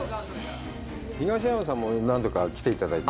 東山さんも、何度か来ていただいてて。